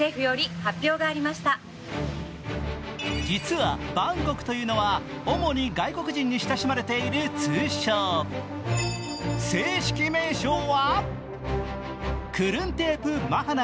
実はバンコクというのは主に外国人に親しまれている名称。